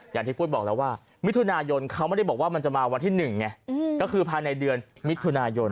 อย่างที่ปุ้ยบอกแล้วว่ามิถุนายนเขาไม่ได้บอกว่ามันจะมาวันที่๑ไงก็คือภายในเดือนมิถุนายน